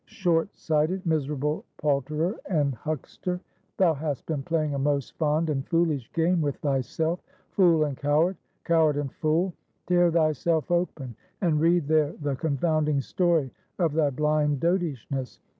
Short sighted, miserable palterer and huckster, thou hast been playing a most fond and foolish game with thyself! Fool and coward! Coward and fool! Tear thyself open, and read there the confounding story of thy blind dotishness!